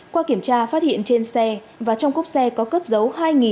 qua kiểm tra phát hiện trên xe và trong cốc xe có cất dấu